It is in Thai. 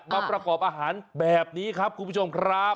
มาประกอบอาหารแบบนี้ครับคุณผู้ชมครับ